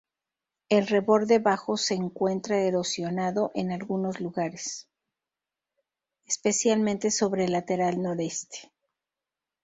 El reborde bajo se encuentra erosionado en algunos lugares, especialmente sobre el lateral noreste.